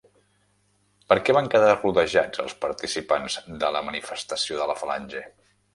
Per què van quedar rodejats els participants de la manifestació de la Falange?